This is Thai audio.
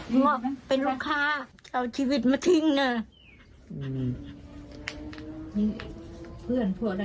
เพราะว่าเป็นลูกค้าเอาชีวิตมาทิ้งเนี่ย